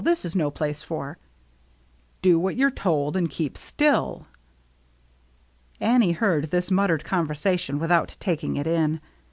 This is no place for —"" Do what you're told and keep still." Annie heard this muttered conversation with out taking it in.